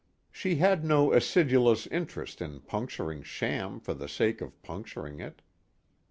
She had no acidulous interest in puncturing sham for the sake of puncturing it.